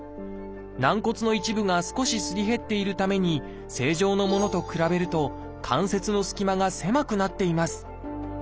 軟骨の一部が少しすり減っているために正常のものと比べると関節の隙間が狭くなっています。